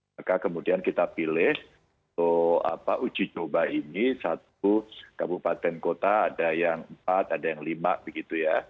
maka kemudian kita pilih uji coba ini satu kabupaten kota ada yang empat ada yang lima begitu ya